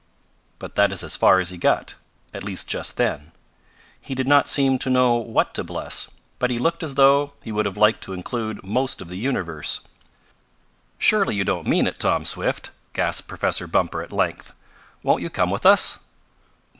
But that is as far as he got at least just then. He did not seem to know what to bless, but he looked as though he would have liked to include most of the universe. "Surely you don't mean it, Tom Swift," gasped Professor Bumper at length. "Won't you come with us?"